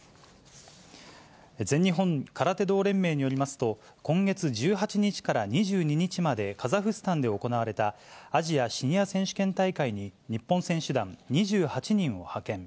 全日本空手道連盟によりますと、今月１８日から２２日まで、カザフスタンで行われたアジアシニア選手権大会に日本選手団２８人を派遣。